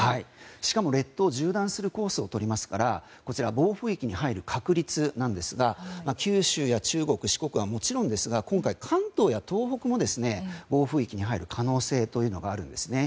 しかも列島を縦断するコースをとりますからこちら、暴風域に入る確率ですが九州や中国・四国はもちろんですが今回、関東や東北も暴風域に入る可能性があるんですね。